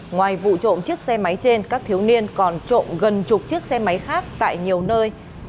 ngoài vụ trộm chiếc xe máy trên các thiếu niên còn trộm gần chục chiếc xe máy khác tại nhiều nơi